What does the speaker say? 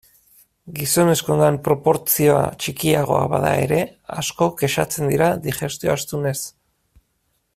Gizonezkoengan proportzioa txikiagoa bada ere, asko kexatzen dira digestio astunez.